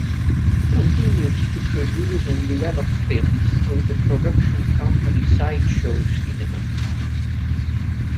He continued to produce and develop films through his production company Sideshow Cinema.